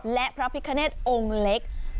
และพระพิคเนตองค์เล็ก